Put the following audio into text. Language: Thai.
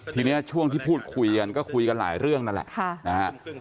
ทีนี้ช่วงที่พูดคุยกันก็คุยกันหลายเรื่องนั่นแหละนะฮะ